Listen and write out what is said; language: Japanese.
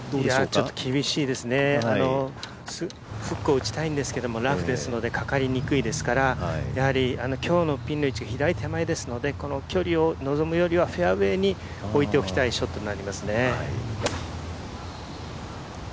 ちょっと厳しいですね、フックを打ちたいんですけどもラフですのでかかりにくいですから、今日のピンの位置が左手前ですのでこの距離をのぞむよりはフェアウエーに置いておきたいショットになりますね。